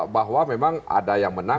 bahwa memang ada yang menang